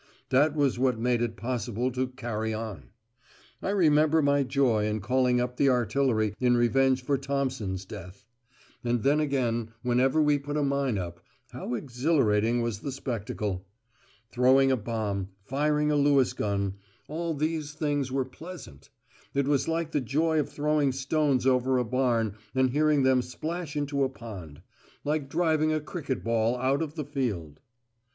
That was what made it possible to "carry on." I remembered my joy in calling up the artillery in revenge for Thompson's death. And then again, whenever we put a mine up, how exhilarating was the spectacle! Throwing a bomb, firing a Lewis gun, all these things were pleasant. It was like the joy of throwing stones over a barn and hearing them splash into a pond; like driving a cricket ball out of the field.